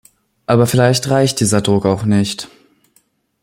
Aber vielleicht reicht dieser Druck auch nicht.